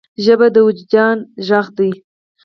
ژبه د وجدان ږغ ده.